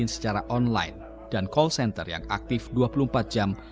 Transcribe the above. secara online dan call center yang aktif dua puluh empat jam